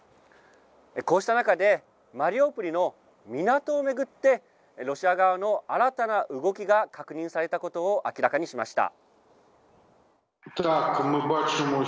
こうした中で、マリウポリの港をめぐってロシア側の新たな動きが確認されたことを明らかにしました。